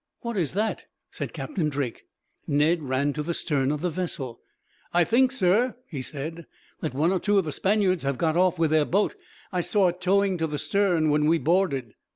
"What is that?" said Captain Drake. Ned ran to the stern of the vessel. "I think, sir," he said, "that one or two of the Spaniards have got off, with their boat. I saw it towing to the stern, when we boarded."